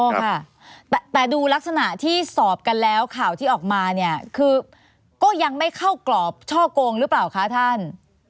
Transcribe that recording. ค่ะแต่ดูลักษณะที่สอบกันแล้วข่าวที่ออกมาเนี่ยคือก็ยังไม่เข้ากรอบช่อกงหรือเปล่าคะท่าน